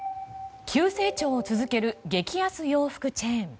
急成長を続ける激安洋服チェーン。